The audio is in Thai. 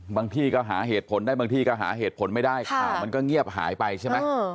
ที่ก็หาเหตุผลได้บางที่ก็หาเหตุผลไม่ได้ข่าวมันก็เงียบหายไปใช่ไหม